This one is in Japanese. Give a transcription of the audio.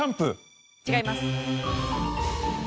違います。